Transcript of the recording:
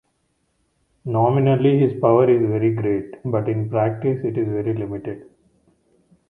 Nominally his power is very great, but in practice it is very limited.